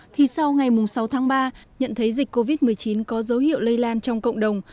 thì sau ngày sáu tháng ba nhận thấy dịch covid một mươi chín có dấu hiệu lây lan trong cộng đồng